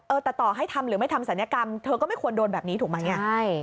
ต่อให้ทำหรือไม่ทำศัลยกรรมเธอก็ไม่ควรโดนแบบนี้ถูกไหมอ่ะใช่